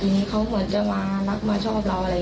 มันมีปัญหาอะไรกันมาก่อนปะ